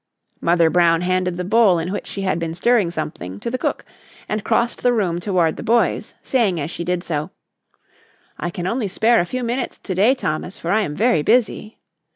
Mother Brown handed the bowl in which she had been stirring something to the cook and crossed the room toward the boys, saying as she did so: "I can only spare a few minutes to day, Thomas, for I am very busy."